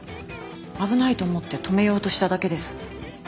危ないと思って止めようとしただけです。